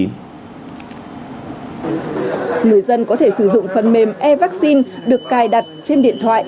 người dân có thể sử dụng phần mềm e vaccine được cài đặt trên điện thoại